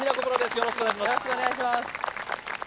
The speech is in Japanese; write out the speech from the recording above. よろしくお願いします